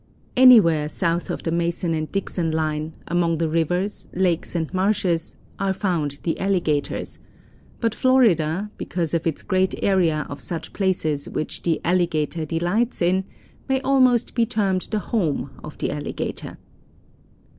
Anywhere south of the Mason and Dixon line, among the rivers, lakes and marshes, are found the alligators, but Florida, because of its great area of such places which the alligator delights in, may almost be termed the home of the alligator.